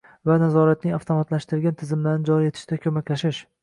va nazoratning avtomatlashtirilgan tizimlarini joriy etishda ko‘maklashish